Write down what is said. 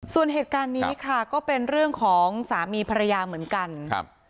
ส่วนเหตุการณ์นี้ค่ะก็เป็นเรื่องของสามีภรรยาเหมือนกันครับ